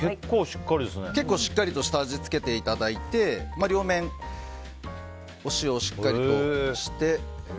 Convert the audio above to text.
結構しっかりと下味をつけていただいて両面、お塩をしっかりとして。